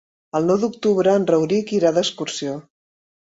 El nou d'octubre en Rauric irà d'excursió.